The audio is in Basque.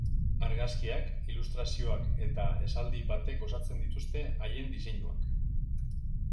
Argazkiak, ilustrazioak eta esaldi batek osatzen dituzte haien diseinuak.